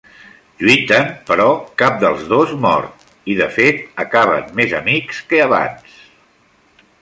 Lluiten però cap dels dos mor, i de fet acaben més amics que abans.